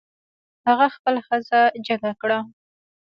هغه خپله ښځه جګه کړه.